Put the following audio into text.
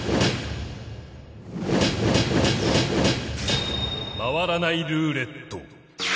回らないルーレット。